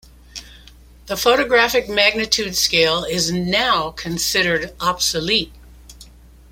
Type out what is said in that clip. The photographic magnitude scale is now considered obsolete.